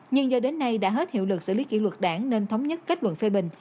nhưng do đến nay đã hết hiệu lực xử lý kỷ luật đảng nên thống nhất kết luận phê bình